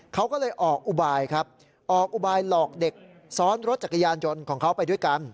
เขาก็เลยออกอุบายครับออกอุบายหลอกเด็กซ้อนรถจักรยานยนต์ของเขาไปด้วยกัน